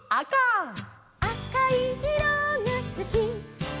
「あおいいろがすき」